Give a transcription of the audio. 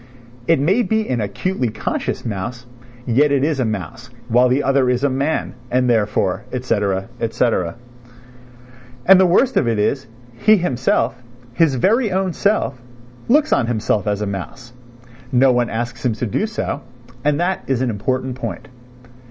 It may be an acutely conscious mouse, yet it is a mouse, while the other is a man, and therefore, et caetera, et caetera. And the worst of it is, he himself, his very own self, looks on himself as a mouse; no one asks him to do so; and that is an important point.